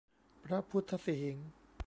พระพุทธสิหิงค์